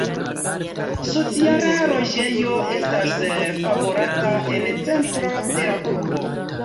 Sociala loĝejo estas favorata en centro de la urbo.